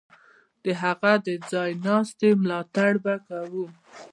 د هغه د ځای ناستي ملاتړ به کوو.